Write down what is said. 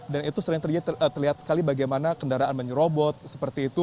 dan itu sering terjadi terlihat sekali bagaimana kendaraan menyerobot seperti itu